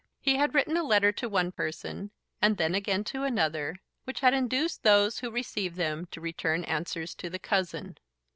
He had written a letter to one person, and then again to another, which had induced those who received them to return answers to the cousin.